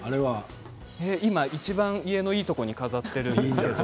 今いちばん家のいいところに飾っているんです。